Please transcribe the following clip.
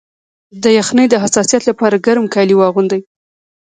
د یخنۍ د حساسیت لپاره ګرم کالي واغوندئ